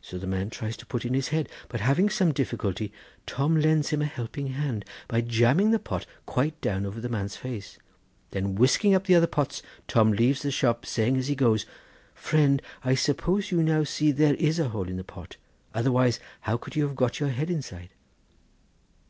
So the man tries to put in his head, but having some difficulty Tom lends him a helping hand by jamming the pot quite down over the man's face, then whisking up the other pots Tom leaves the shop, saying as he goes, 'Friend, I suppose you now see that there is a hole in the pot, otherwise how could you have got your head inside?